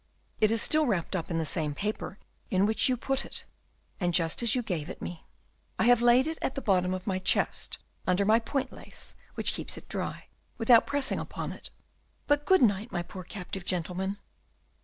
"It is still wrapped up in the same paper in which you put it, and just as you gave it me. I have laid it at the bottom of my chest under my point lace, which keeps it dry, without pressing upon it. But good night, my poor captive gentleman."